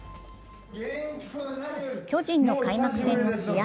巨人の開幕戦の試合